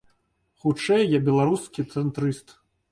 Хутчэй я беларускі цэнтрыст.